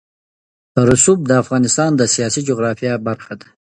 رسوب د افغانستان د سیاسي جغرافیه برخه ده.